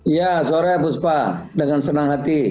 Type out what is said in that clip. iya sore bu supa dengan senang hati